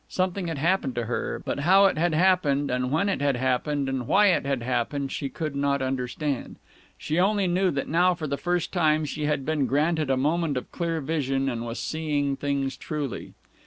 Something had happened to her, but how it had happened and when it had happened and why it had happened she could not understand. She only knew that now for the first time she had been granted a moment of clear vision and was seeing things truly.